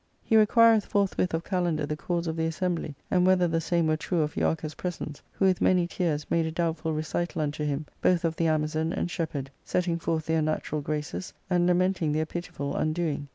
He requireth forthwith of Kalander the cause of the assembly, and whether the same were true of Euarchus' presence, who with many tears made a doubtful recital unto him, both of the Amazon and shepherd, setting forth their natural graces, and lamenting their pitiful undoing.